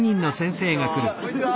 こんにちは。